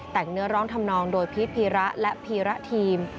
แต่งเนื้อร้องทำนองโดยพีชพีระและพีระทีม